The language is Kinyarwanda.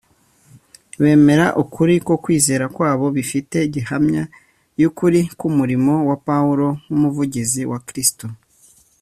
bemera ukuri ko kwizera kwabo bifite gihamya y'ukuri kw'umurimo wa Pawulo nk'umuvugizi wa Kristo.